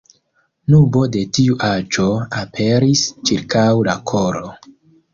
Nubo de tiu aĵo aperis ĉirkaŭ la koro.